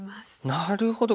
なるほど。